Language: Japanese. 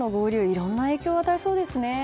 いろんな影響を与えそうですね。